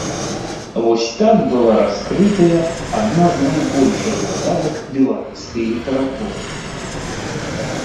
Вось так была раскрытая адна з найбольшых загадак беларускай літаратуры.